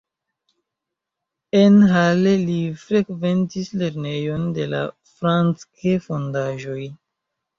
En Halle li frekventis lernejon de la Francke-fondaĵoj.